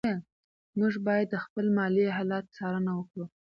موږ باید د خپل مالي حالت څارنه وکړو.